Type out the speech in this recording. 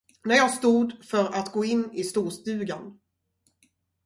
När jag stod för att gå in i storstugan.